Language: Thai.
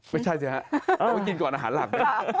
ไม่ใช่ใช่ครับต้องกินก่อนอาหารหลัก